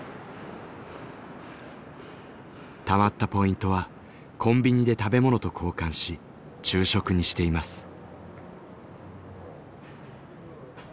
たまったポイントはコンビニで食べ物と交換し昼食にしています。